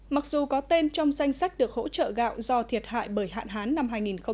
mặc dù có tên trong danh sách được hỗ trợ gạo do thiệt hại bởi hạn hán năm hai nghìn một mươi chín